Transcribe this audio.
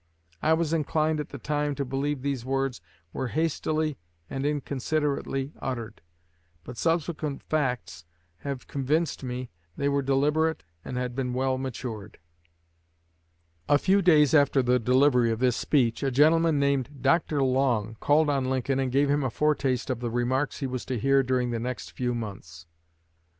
I was inclined at the time to believe these words were hastily and inconsiderately uttered; but subsequent facts have convinced me they were deliberate and had been well matured." A few days after the delivery of this speech, a gentleman named Dr. Long called on Lincoln and gave him a foretaste of the remarks he was to hear during the next few months.